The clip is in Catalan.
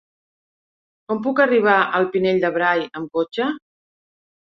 Com puc arribar al Pinell de Brai amb cotxe?